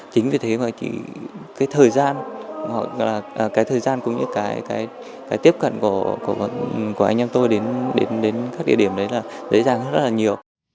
chính vì thế mà cái thời gian cũng như cái tiếp cận của anh em tôi đến các địa điểm đấy là dễ dàng rất là nhiều